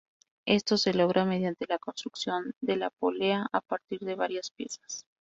Esto se logra mediante la construcción de la polea a partir de varias piezas.